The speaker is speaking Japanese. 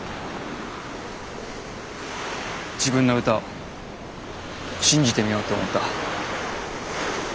自分の歌信じてみようと思った。